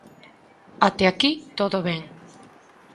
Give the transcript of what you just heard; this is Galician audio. Até aquí todo ben.